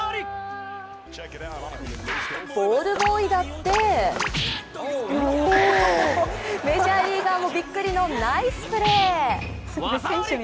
ボールボーイだってメジャーリーガーもびっくりのナイスプレー。